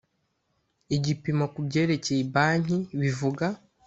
igipimo ku byerekeye banki bivuga